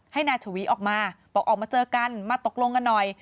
ให้นายฉวีออกมาบอกออกมาเจอกันมาตกลงกันหน่อย